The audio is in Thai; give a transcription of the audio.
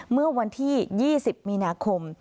เมื่อวันที่๒๐มีนาคม